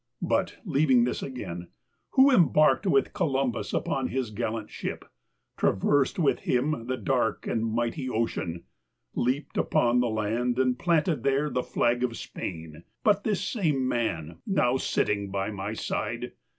But leaving this again, who embarked with Columbus upon his gallant ship, travei'sed with him the dark and mights* ocean, leaped upon the land and planted there the flag of Spain, but this same man, now sitting by my side?